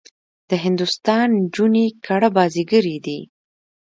د هندوستان نجونې کړه بازيګرې دي.